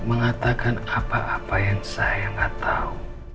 mengatakan apa apa yang saya gak tau